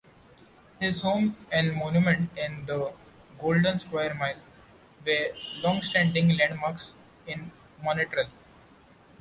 His home and monument in the Golden Square Mile were longstanding landmarks in Montreal.